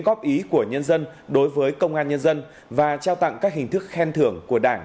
góp ý của nhân dân đối với công an nhân dân và trao tặng các hình thức khen thưởng của đảng